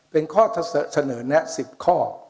เป็นข้อเสนอแนะ๑๐ข้อ